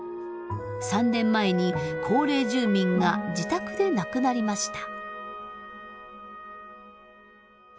３年前に高齢住民が自宅で亡くなりました。